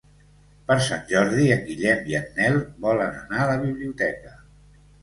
Per Sant Jordi en Guillem i en Nel volen anar a la biblioteca.